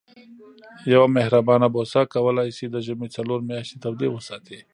یوه مهربانه بوسه کولای شي د ژمي څلور میاشتې تودې وساتي.